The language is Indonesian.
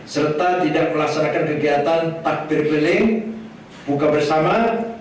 serta tidak melaksanakan kegiatan takbir keliling buka bersama